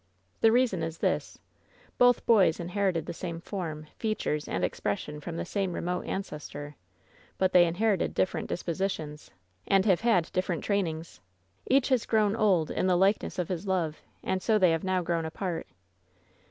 The reasoti is this — both boys inherited the same form, features and expression from the same remote ancestor; but they inherited different dispoeir 8a WHEN SHADOWS DIE tions, and have had different trainings. Each has grown old *in the likeness of his love/ and so they have now grown apart.